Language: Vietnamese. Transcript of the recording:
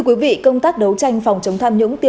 xin chào và hẹn gặp lại